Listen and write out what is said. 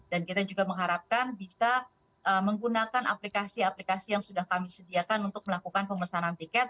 dan kita juga mengharapkan bisa menggunakan aplikasi aplikasi yang sudah kami sediakan untuk melakukan pemesanan tiket